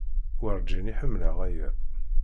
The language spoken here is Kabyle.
Werǧin i ḥemmleɣ aya.